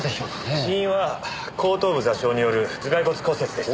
死因は後頭部挫傷による頭蓋骨骨折でした。